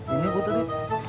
ini bu tuti